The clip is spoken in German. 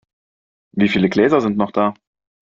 Wieviele Gläser sind noch da?